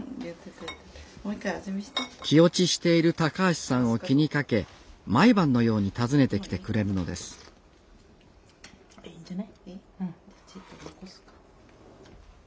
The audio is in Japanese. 気落ちしている橋さんを気にかけ毎晩のように訪ねてきてくれるのですいいんじゃない。